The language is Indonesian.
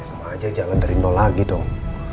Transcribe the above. sama aja jalan dari nol lagi dong